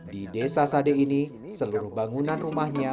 di desa sade ini seluruh bangunan rumahnya